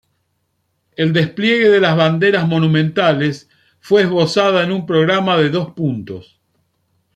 El despliegue de las banderas monumentales fue esbozada en un programa de dos puntos.